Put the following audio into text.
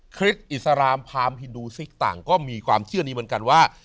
คลิปอิสรามพามฮินดูซิกต่างก็มีความเชื่อนี้เหมือนกันว่า